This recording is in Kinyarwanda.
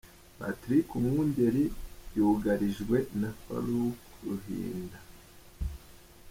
Patrick Umwungeri yugarijwe na Farouk Ruhinda